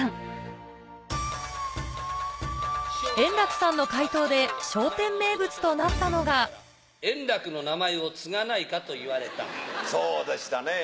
円楽さんの回答で、笑点名物円楽の名前を継がないかと言そうでしたね。